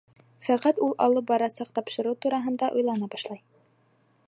Фәҡәт ул алып барасаҡ тапшырыу тураһында уйлана башлай.